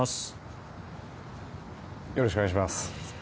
よろしくお願いします。